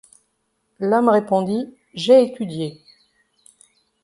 L’homme répondit: — J’ai étudié.